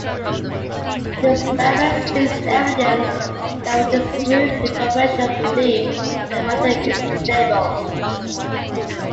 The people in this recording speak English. The experiment seeks evidence that would disprove the conventional belief that matter is stable.